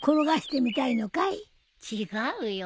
違うよ。